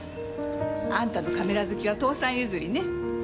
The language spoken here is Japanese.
あんたのカメラ好きは父さん譲りね。